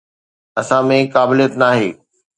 اسان ۾ قابليت ناهي.